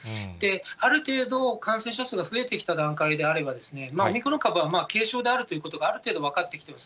ある程度感染者数が増えてきた段階であればですね、オミクロン株は軽症であるということが、ある程度分かってきています。